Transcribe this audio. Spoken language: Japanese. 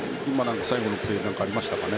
最後のプレー何かありましたかね。